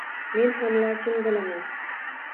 Men ham lochin bo‘laman